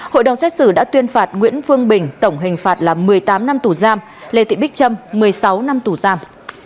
hội đồng xét xử đã tuyên phạt nguyễn phương bình tổng hình phạt là một mươi tám năm tù giam lê thị bích trâm một mươi sáu năm tù giam